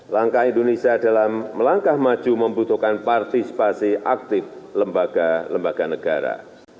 langkah indonesia dalam melangkah maju membutuhkan partisipasi aktif lembaga lembaga negara